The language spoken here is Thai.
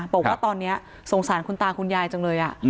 บอกว่าตอนนี้สงสารคุณตาคุณยายจังเลย